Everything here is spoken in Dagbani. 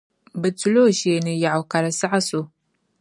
Bɛ tula o shee ni yɛɣu ka di saɣis’ o.